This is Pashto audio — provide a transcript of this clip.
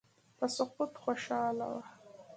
په سقوط خوشاله وه.